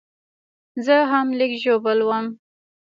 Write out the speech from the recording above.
زه هم لږ ژوبل وم